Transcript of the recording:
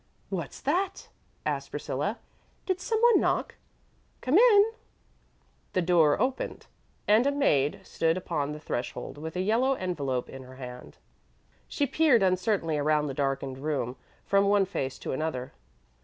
"What's that?" asked Priscilla. "Did some one knock? Come in." The door opened, and a maid stood upon the threshold with a yellow envelop in her hand. She peered uncertainly around the darkened room from one face to another.